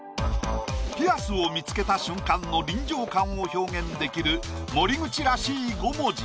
ピアスを見つけた瞬間の臨場感を表現できる森口らしい５文字。